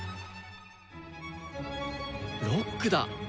ロックだ！